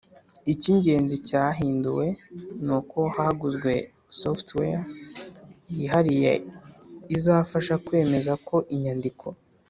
Icy ingenzi cyahinduwe ni uko haguzwe software yihariye izafasha kwemeza ko inyandiko